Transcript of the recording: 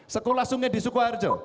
sekolah sungai di sukoharjo